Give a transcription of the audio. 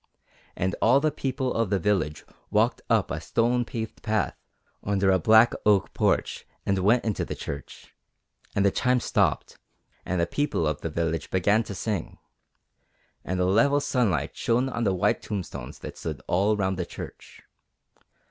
And all the people of the village walked up a stone paved path under a black oak porch and went into the church, and the chimes stopped and the people of the village began to sing, and the level sunlight shone on the white tombstones that stood all round the church.